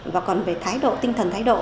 và còn về thái độ tinh thần thái độ